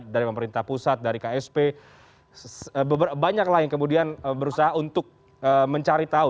dari pemerintah pusat dari ksp banyaklah yang kemudian berusaha untuk mencari tahu